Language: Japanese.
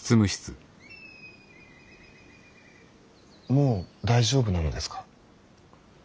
もう大丈夫なのですか。